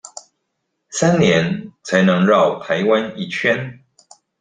三年才能繞台灣一圈